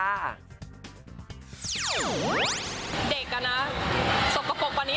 เด็กนะสกปรกกว่านี้